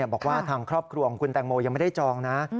บอกว่าทางครอบครัวของคุณแตงโมยังไม่ได้จองนะ